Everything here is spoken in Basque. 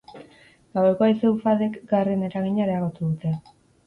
Gaueko haize-ufadek garren eragina areagotu dute.